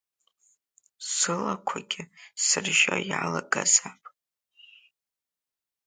Сылақәагьы сыржьо иалагазаап.